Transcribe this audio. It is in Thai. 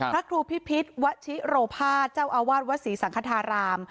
พระครูพิพิษวชิโรภาเจ้าอาวาสวัดศรีสังคธาราม